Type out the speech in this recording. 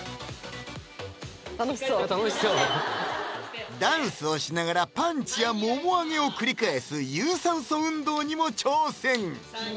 楽しそう楽しそうダンスをしながらパンチやもも上げを繰り返す有酸素運動にも挑戦